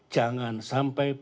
jangan sampai politik